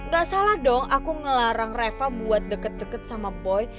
gak salah dong aku ngelarang reva buat deket deket sama poi